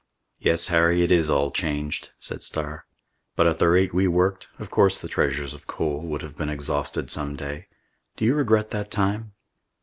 "Yes, Harry, it is all changed," said Starr. "But at the rate we worked, of course the treasures of coal would have been exhausted some day. Do you regret that time?"